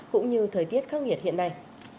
cũng như thời tiết khắc nghiệt hiện nay